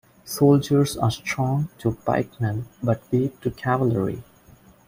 Soldiers are strong to pikemen but weak to cavalry.